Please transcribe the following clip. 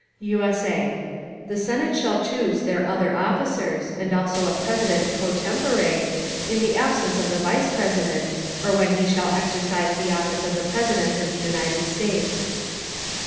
[USA] The Senate shall chuse their other Officers, and also a President pro tempore, in the absence of the Vice President, or when he shall exercise the Office of President of the United States.